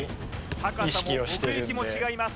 高さも奥行きも違います